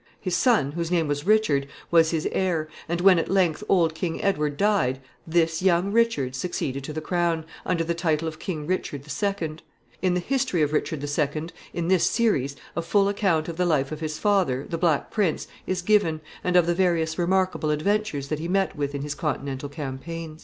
His son, whose name was Richard, was his heir, and when at length old King Edward died, this young Richard succeeded to the crown, under the title of King Richard II. In the history of Richard II., in this series, a full account of the life of his father, the Black Prince, is given, and of the various remarkable adventures that he met with in his Continental campaigns.